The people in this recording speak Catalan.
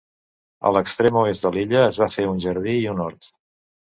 A l'extrem oest de l'illa es va fer un jardí i un hort.